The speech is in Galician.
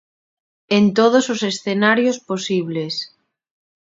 En todos os escenarios posibles.